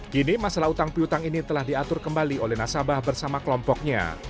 kini masalah utang piutang ini telah diatur kembali oleh nasabah bersama kelompoknya